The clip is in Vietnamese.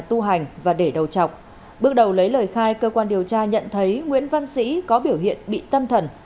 trước khi lời khai cơ quan điều tra nhận thấy nguyễn văn sĩ có biểu hiện bị tâm thần